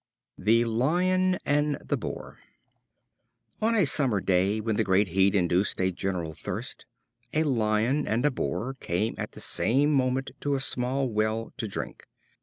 The Lion and the Boar. On a summer day, when the great heat induced a general thirst, a Lion and a Boar came at the same moment to a small well to drink.